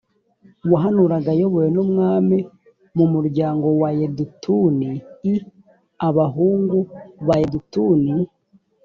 wahanuraga ayobowe n umwami mu muryango wa yedutuni i abahungu ba yedutuni